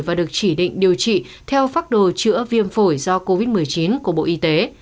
và được chỉ định điều trị theo phác đồ chữa viêm phổi do covid một mươi chín của bộ y tế